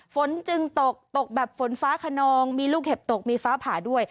ฝนจึงตกตกแบบฝนฟ้าขนองมีลูกเห็บตกมีฟ้าผ่าด้วย